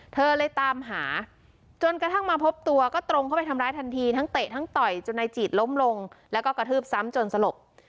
เธอเลยตามหาจนกระทั่งมาพบตัวก็ตรงเข้าไปทำร้ายทันทีทั้งเตะทั้งต่อยจนนายจีดล้มลงแล้วก็กระทืบซ้ำจนสลบ